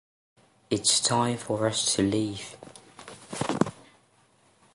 It’s time for us to leave